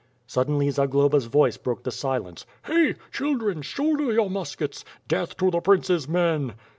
Suddenly, Zagloba's voice broke the silence: "Hey! Children, shoulder your muskets! Death to the prince's men!"